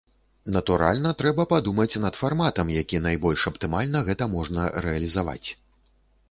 Натуральна, трэба падумаць над фарматам, як найбольш аптымальна гэта можна рэалізаваць.